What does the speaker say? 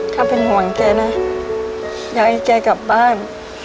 ถ้าเป็นห่วงแกนะอยากให้แกกลับบ้าน